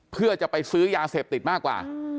เพื่อจะไปซื้อยาเสพติดมากกว่า